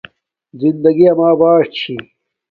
زندگی اما باݽ چھی